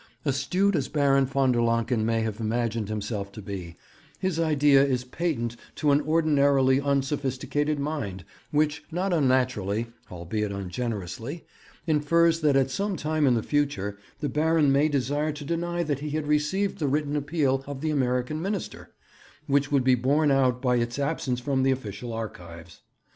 Astute as Baron von der Lancken may have imagined himself to be, his idea is patent to an ordinarily unsophisticated mind, which not unnaturally, albeit ungenerously, infers that at some time in the future the Baron may desire to deny that he had received the written appeal of the American Minister, which would be borne out by its absence from the official archives.